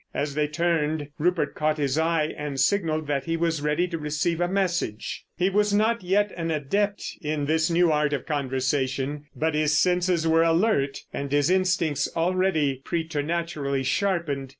As they turned Rupert caught his eye and signalled that he was ready to receive a message. He was not yet an adept in this new art of conversation, but his senses were alert and his instincts already preternaturally sharpened.